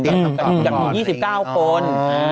อย่างมี๒๙คน